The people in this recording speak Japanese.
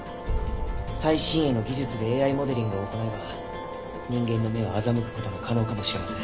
最新鋭の技術でＡＩモデリングを行えば人間の目を欺く事も可能かもしれません。